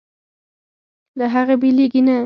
له هغې بېلېږي نه.